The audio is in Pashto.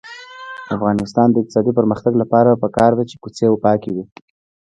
د افغانستان د اقتصادي پرمختګ لپاره پکار ده چې کوڅې پاکې وي.